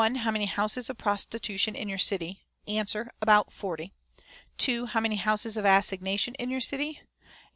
How many houses of prostitution in your city? "Answer. About forty. "2. How many houses of assignation in your city?